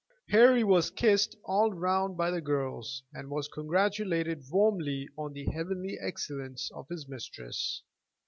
Harry was kissed all round by the girls, and was congratulated warmly on the heavenly excellence of his mistress.